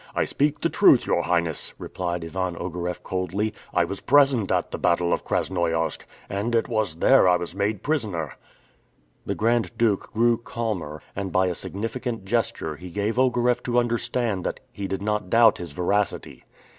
"I speak the truth, your Highness," replied Ivan Ogareff coldly. "I was present at the battle of Krasnoiarsk, and it was there I was made prisoner!" The Grand Duke grew calmer, and by a significant gesture he gave Ogareff to understand that he did not doubt his veracity.